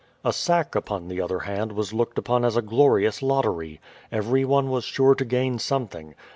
A sack upon the other hand was looked upon as a glorious lottery. Every one was sure to gain something.